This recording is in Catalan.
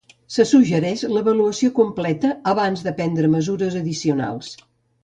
Se suggereix l'avaluació completa abans de prendre mesures addicionals.